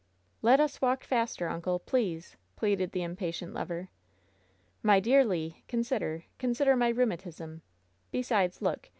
"Let us walk faster, uncle! Please!" pleaded the im patient lover. "My dear Le! Consider — consider my rheumatisml Besides, look!